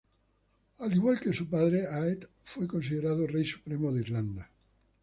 Al igual que su padre, Áed fue considerado Rey Supremo de Irlanda.